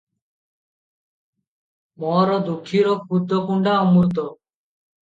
ମୋର ଦୁଃଖୀର ଖୁଦ କୁଣ୍ଡା ଅମୃତ ।